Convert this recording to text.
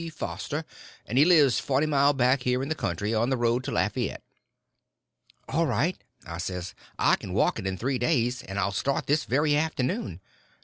Foster—and he lives forty mile back here in the country, on the road to Lafayette." "All right," I says, "I can walk it in three days. And I'll start this very afternoon."